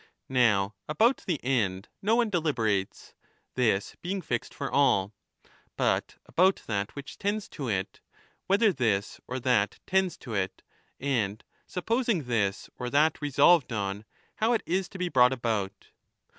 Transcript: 10 Now about the end no one deliberates (this being fixed for all), but about that which tends to it — whether this or that tends to it, and — supposing this or that resolved on — how it is to be brought about.